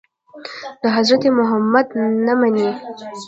د حضرت محمد نه مني.